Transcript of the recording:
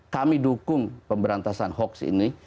kami dukung pemberantasan hoax ini